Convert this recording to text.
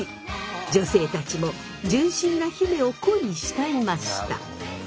女性たちも純真な姫を恋い慕いました。